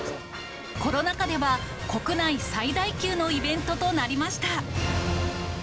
コロナ禍では、国内最大級のイベントとなりました。